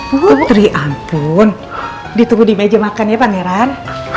putri ampun ditunggu di meja makan ya pangeran